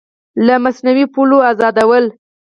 له مصنوعي پولو ازادول